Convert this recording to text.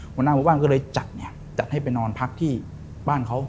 หมู่บ้านก็เลยจัดให้ไปนอนพักที่บ้านเขา